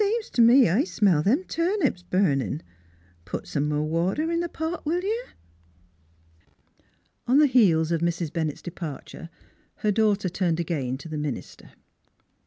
Seems t' me I smell them turnips burnin'; put some more water in the pot, will you? " On the heels of Mrs. Bennett's departure her daughter turned again to the minister.